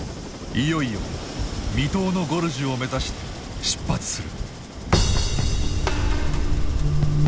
いよいよ未踏のゴルジュを目指して出発する。